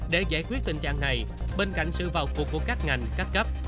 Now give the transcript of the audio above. để giải quyết tình trạng này bên cạnh sự vào cuộc của các ngành các cấp